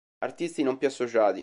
Artisti non più associati